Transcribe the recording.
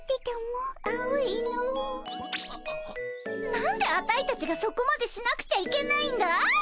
何でアタイたちがそこまでしなくちゃいけないんだい。